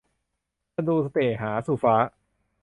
ศัตรูเสน่หา - สุฟ้า